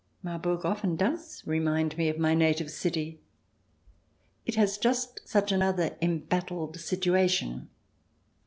Marburg often does remind me of my native city ; it has just such another embattled situation.